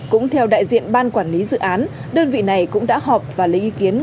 cũng theo đại diện ban quản lý dự án đơn vị này cũng đã họp và lấy ý kiến